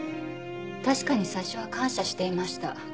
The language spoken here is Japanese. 確かに最初は感謝していました。